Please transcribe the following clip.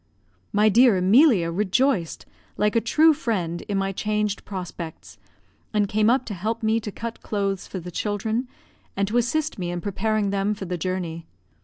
My dear Emilia rejoiced, like a true friend, in my changed prospects, and came up to help me to cut clothes for the children, and to assist me in preparing them for the journey.